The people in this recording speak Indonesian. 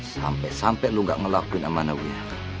sampai sampai lu gak ngelakuin emaknya gue